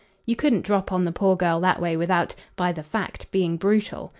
You couldn't drop on the poor girl that way without, by the fact, being brutal.